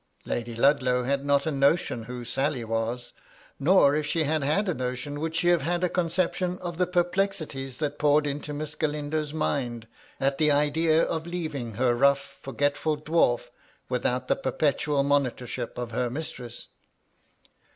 Lady Ludlow had not a notion who Sally was. Nor if she had had a notion, would she have had a conception of the perplexities that poured into Miss Galindo's mind, at the idea of leaving her rough forgetful dwarf without the perpetual monitorship of her mistress.